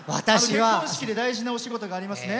結婚式で大事なお仕事がありますね。